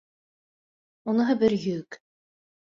Уныһы бер йөк.